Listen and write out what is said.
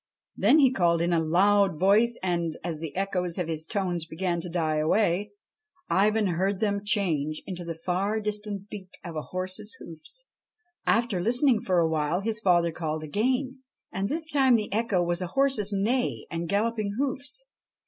Then he called in a loud voice, and, as the echoes of his tones began to die away, Ivan heard them change into the far distant beat of a horse's hoofs. After listening for a while his father called again, and this time the echo was a horse's neigh and galloping hoofs.